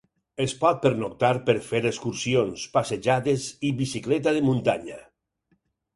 Es pot pernoctar per fer excursions, passejades i bicicleta de muntanya.